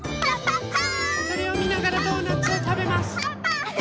これをみながらドーナツをたべます。